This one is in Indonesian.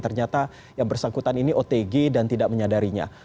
ternyata yang bersangkutan ini otg dan tidak menyadarinya